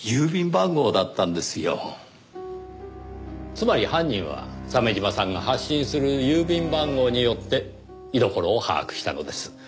つまり犯人は鮫島さんが発信する郵便番号によって居所を把握したのです。